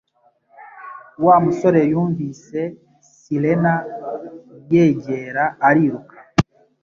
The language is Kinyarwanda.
Wa musore yumvise sirena yegera ariruka